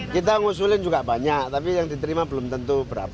kita ngusulin juga banyak tapi yang diterima belum tentu berapa